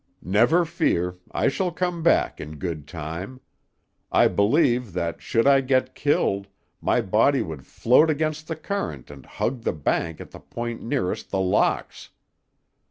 Never fear; I shall come back in good time. I believe that should I get killed, my body would float against the current and hug the bank at the point nearest The Locks."